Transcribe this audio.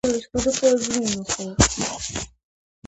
ერთხმად ასტეხენ ჟიჟინსა:"მე ვარო გაუმარჯოსო"